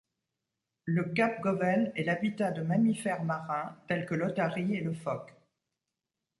Le cap Goven est l'habitat de mammifères marins tels que l'otarie et le phoque.